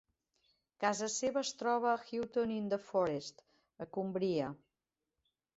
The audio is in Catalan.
Casa seva es troba a Hutton-in-the-Forest, a Cumbria.